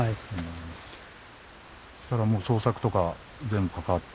そしたらもう捜索とか全部関わって。